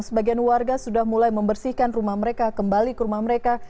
sebagian warga sudah mulai membersihkan rumah mereka kembali ke rumah mereka